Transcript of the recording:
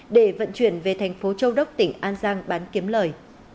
để vận chuyển về thành phố châu đốc tỉnh an giang bán kiếm lời